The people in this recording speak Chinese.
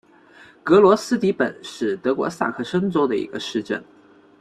格罗斯迪本是德国萨克森州的一个市镇。